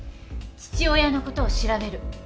父親のことを調べる。